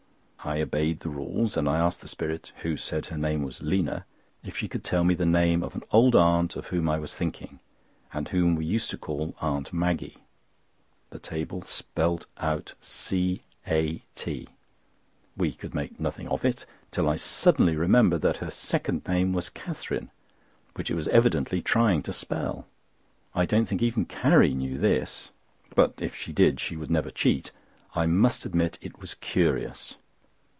I obeyed the rules, and I asked the spirit (who said her name was Lina) if she could tell me the name of an old aunt of whom I was thinking, and whom we used to call Aunt Maggie. The table spelled out C A T. We could make nothing out of it, till I suddenly remembered that her second name was Catherine, which it was evidently trying to spell. I don't think even Carrie knew this. But if she did, she would never cheat. I must admit it was curious.